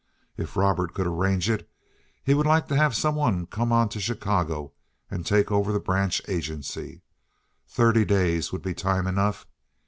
If Robert could arrange it, he would like to have some one come on to Chicago and take over the branch agency. Thirty days would be time enough.